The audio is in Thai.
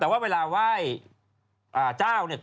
แต่ว่าเวลาไหว้เจ้าเนี่ย